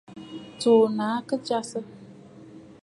Tsùù nàa kɨ jasə.